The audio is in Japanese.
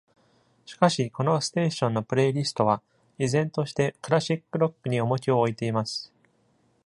しかし、このステーションのプレイリストは、以前としてクラシックロックに重きを置いています。